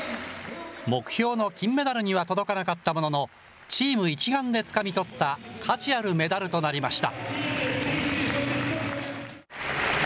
目標の金メダルには届かなかったものの、チーム一丸でつかみ取った価値あるメダルとなりました。